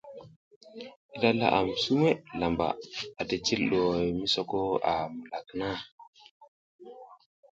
Ira laʼam suwe lamba ati cil ɗuhoy misoko a mukak na.